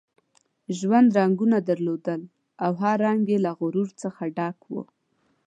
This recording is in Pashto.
ژوند رنګونه درلودل او هر رنګ یې له غرور څخه ډک وو.